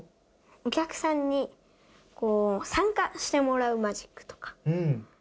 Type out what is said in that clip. お客さんに参加してもらうマジックとか。